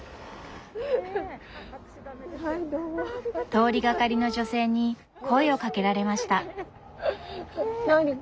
通りがかりの女性に声をかけられました。